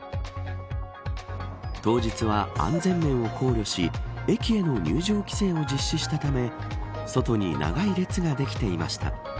当日は安全面を考慮し駅への入場規制を実施したため外に長い列ができていました。